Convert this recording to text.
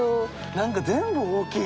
なんか全部大きい。